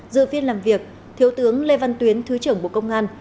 dự viên làm việc thiếu tướng lê văn tuyến thứ trưởng bộ công an việt nam